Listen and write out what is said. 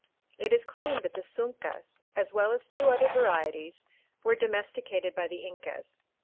It is claimed that the sunccas, as well as two other varieties, were domesticated by the Incas.